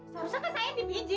seharusnya kan saya yang dipijit